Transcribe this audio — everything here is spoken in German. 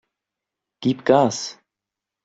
Gib Gas!